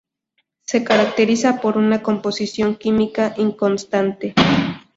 Se caracteriza por una composición química inconstante.